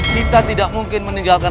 kita tidak mungkin meninggalkan